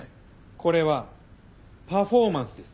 これはパフォーマンスです。